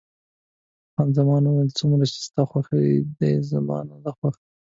خان زمان وویل: څومره چې ستا خوښ دی، زما نه دی خوښ.